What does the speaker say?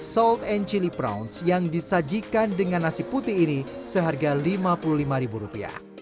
sold and chiliprounds yang disajikan dengan nasi putih ini seharga rp lima puluh lima